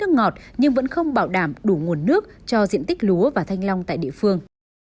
nước ngọt nhưng vẫn không bảo đảm đủ nguồn nước cho diện tích lúa và thanh long tại địa phương